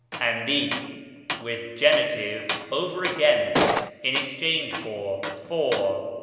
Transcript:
ἀντί (with gen.), over against, in ex change for, for.